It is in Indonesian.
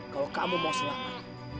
kalau kamu mau selamat